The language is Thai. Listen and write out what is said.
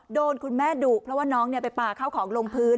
คุณแม่ดุเพราะว่าน้องไปป่าเข้าของลงพื้น